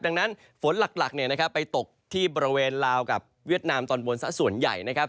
ดังนั้นฝนหลักไปตกที่บริเวณลาวกับเวียดนามตอนบนสักส่วนใหญ่นะครับ